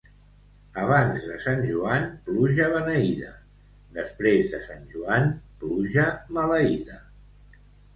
Abans de Sant Joan, pluja beneïda, després de Sant Joan, pluja maleïda.